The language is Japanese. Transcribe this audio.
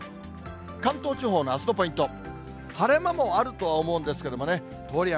関東地方のあすのポイント、晴れ間もあるとは思うんですけれどもね、通り雨。